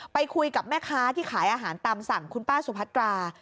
ไปคุยกับแม่ค้าที่ขายอาหารตามสั่งคุณป้าสุพัตรา